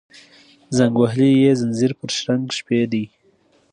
زنګ وهلي یې ځینځیر پر شرنګ یې شپې دي